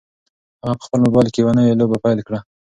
هغه په خپل موبایل کې یوه نوې لوبه پیل کړه.